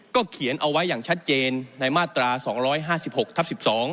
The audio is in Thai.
เขียนเอาไว้อย่างชัดเจนในมาตรา๒๕๖ทับ๑๒